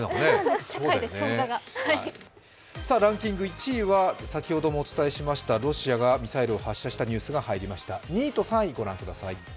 ランキング１位は先ほどもお伝えしました、ロシアがミサイルを発射したニュースが入りました。